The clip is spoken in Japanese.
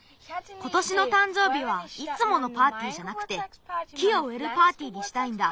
ことしのたんじょうびはいつものパーティーじゃなくて木をうえるパーティーにしたいんだ。